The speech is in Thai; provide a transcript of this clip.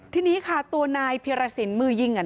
ทีนี้ค่ะตัวนายเพียรสินมือยิง